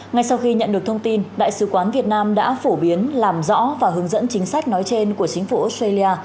ngay sau khi nhận được thông tin đại sứ quán việt nam đã phổ biến làm rõ và hướng dẫn chính sách nói trên của chính phủ australia